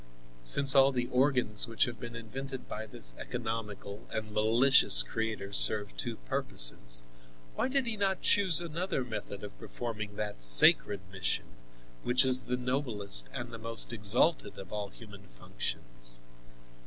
Since all the organs which have been invented by this economical and malicious Creator serve two purposes, why did He not choose another method of performing that sacred mission, which is the noblest and the most exalted of all human functions?